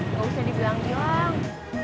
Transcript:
gak usah dibilang dibilang